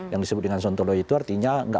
yang disebut dengan sontolo itu artinya